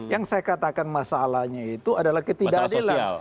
yang saya katakan masalahnya itu adalah ketidakadilan